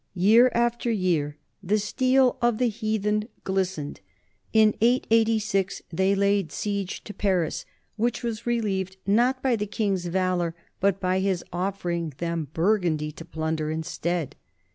Year after year "the steel of the heathen glistened"; in 886 they laid siege to Paris, which was relieved not by the king's valor but by his offering them Burgundy to plunder instead.